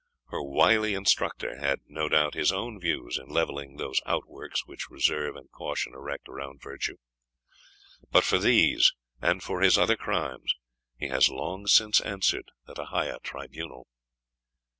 Her wily instructor had, no doubt, his own views in levelling those outworks which reserve and caution erect around virtue. But for these, and for his other crimes, he has long since answered at a higher tribunal.